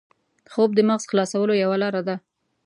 خوب د مغز خلاصولو یوه لاره ده